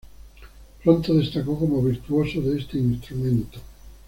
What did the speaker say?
Pronto destacó como virtuoso de este instrumento.